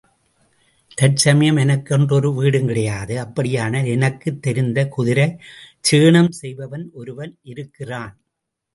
தற்சமயம் எனக்கென்று ஒரு வீடும் கிடையாது அப்படியானால் எனக்குத் தெரிந்த குதிரைச் சேணம் செய்பவன் ஒருவன் இருக்கிறான்.